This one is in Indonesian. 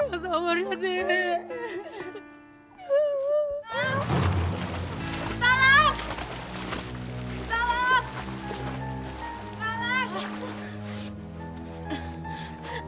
ya sama ria nek